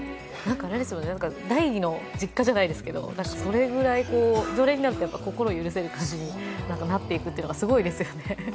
第２の実家じゃないですけどそれぐらい常連になると心を許せる感じになっていくというのがすごいですよね。